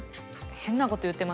変なこと言ってます